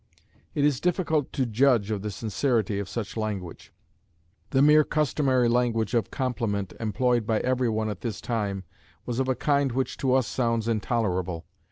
It is difficult to judge of the sincerity of such language. The mere customary language of compliment employed by every one at this time was of a kind which to us sounds intolerable.